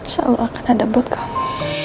selalu akan ada buat kamu